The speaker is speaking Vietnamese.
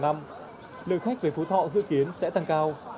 lượng khách về phú thọ dự kiến sẽ tăng cao